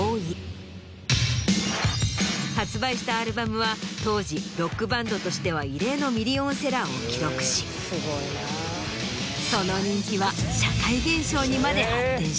発売したアルバムは当時ロックバンドとしては異例のミリオンセラーを記録しその人気は。